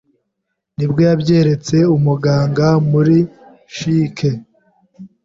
Nibwo yabyeretse umuganga (Doctor) muri CHUK),